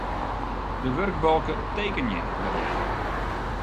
De wurkbalke Tekenje werjaan.